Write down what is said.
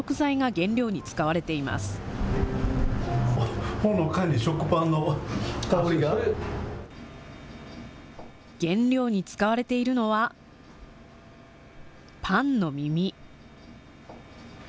原料に使われているのは、パンの耳。